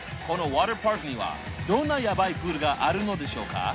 このウォーターパークにはどんなヤバいプールがあるのでしょうか？